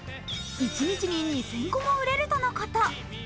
一日に２０００個も売れるとのこと。